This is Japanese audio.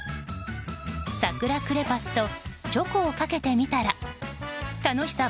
サクラクレパスとチョコをかけてみたら楽しさ